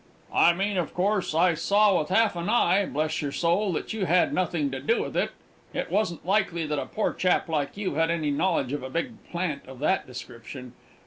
"I mean of course, I saw with half an eye, bless your soul, that you'd had nothing to do with it it wasn't likely that a poor chap like you had any knowledge of a big plant of that description.